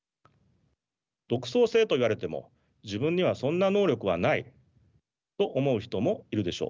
独創性と言われても自分にはそんな能力はないと思う人もいるでしょう。